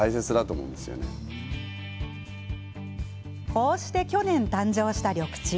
こうして去年、誕生した緑地。